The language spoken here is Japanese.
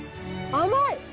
甘い！